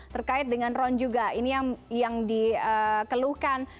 terkait dengan ron juga ini yang dikeluhkan